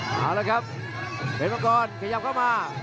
เอาละครับเดือดพักก่อนขยับเข้ามา